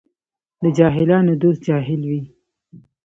د جاهلانو دوست جاهل وي.